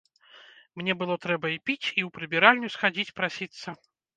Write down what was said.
Мне было трэба і піць і ў прыбіральню схадзіць прасіцца.